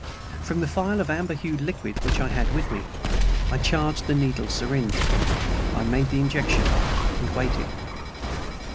From the phial of amber hued liquid which I had with me, I charged the needle syringe. I made the injection, and waited.